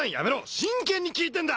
真剣に聞いてんだ！